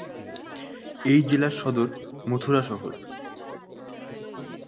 এই জেলার সদর মথুরা শহর।